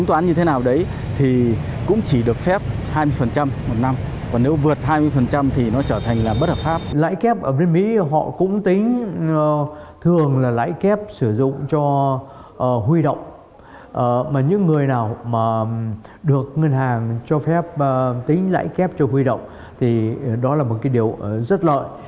thường là lãi kép sử dụng cho huy động mà những người nào mà được ngân hàng cho phép tính lãi kép cho huy động thì đó là một cái điều rất lợi